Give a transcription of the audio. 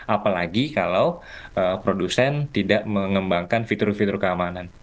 apalagi kalau produsen tidak mengembangkan fitur fitur keamanan